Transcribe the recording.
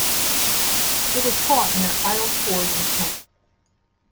It was fought near Aylesford in Kent.